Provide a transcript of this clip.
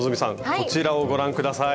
こちらをご覧下さい！